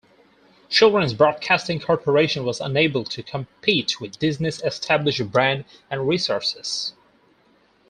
Children's Broadcasting Corporation was unable to compete with Disney's established brand and resources.